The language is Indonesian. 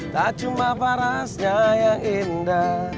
tak cuma parasnya yang indah